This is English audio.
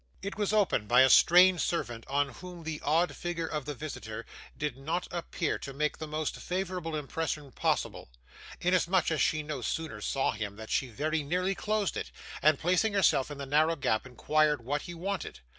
It was opened by a strange servant, on whom the odd figure of the visitor did not appear to make the most favourable impression possible, inasmuch as she no sooner saw him than she very nearly closed it, and placing herself in the narrow gap, inquired what he wanted.